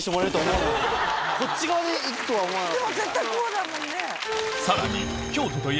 こっち側でいくとは思わなかった。